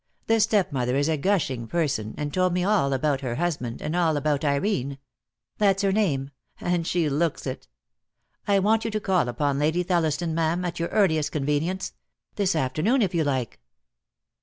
The stepmother is a gushing person, and told me all about her husband, and all about Irene. That's her name, and she looks it. I want you to call upon Lady Thelliston, ma'am, at your earliest convenience. This afternoon, if you like."